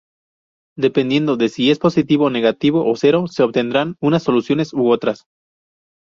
Dependiendo de si es positivo, negativo o cero se obtendrán unas soluciones u otras.